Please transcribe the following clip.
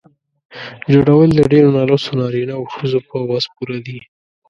جوړول یې د ډېرو نالوستو نارینه وو او ښځو په وس پوره دي.